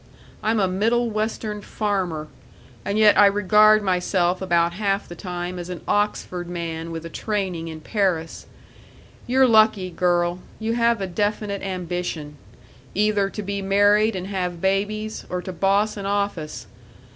I'm a Middle Western farmer, and yet I regard myself about half the time as an Oxford man with a training in Paris. You're lucky, girl. You have a definite ambition either to be married and have babies or to boss an office.